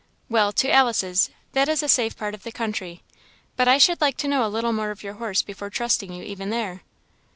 "Well to Alice's that is a safe part of the country; but I should like to know a little more of your horse before trusting you even there."